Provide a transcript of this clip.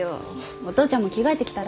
お父ちゃんも着替えてきたら？